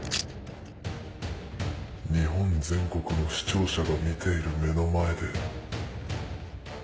日本全国の視聴者が見ている目の前で。